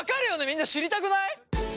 みんな知りたくない？